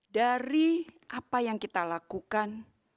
dari apa yang kita lakukan